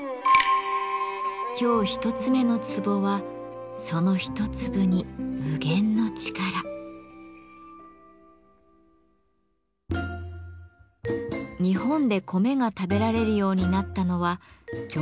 今日一つ目のツボは日本で米が食べられるようになったのは縄文時代の終わり。